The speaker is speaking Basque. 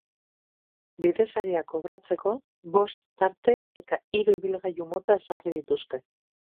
Bidesariak kobratzeko bost tarte eta hiru ibilgailu mota ezarri dituzte.